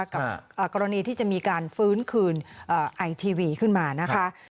กับกรณีที่จะมีการฟื้นคืนไอทีวีขึ้นมานะคะ